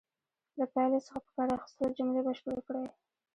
له پایلې څخه په کار اخیستلو جملې بشپړې کړئ.